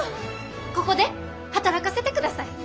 ここで働かせてください。